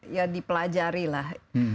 ya dipelajari lah